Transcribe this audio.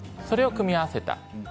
それを組み合わせた。